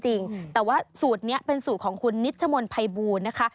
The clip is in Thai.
จริงแต่ว่าสูตรนี้เป็นสูตรของคุณนิชมนต์ภัยบูลนะคะ